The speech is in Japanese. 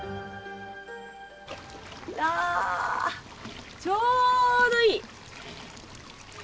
あーちょうどいい！